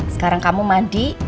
sekarang kamu mandi